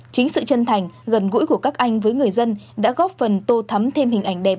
chính sự chân thành gần gũi của các anh với người dân đã góp phần tô thắm thêm hình ảnh đẹp